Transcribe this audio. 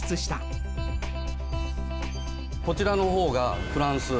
こちらのほうがフランス。